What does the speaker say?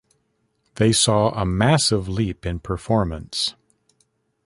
They saw a massive leap in performance.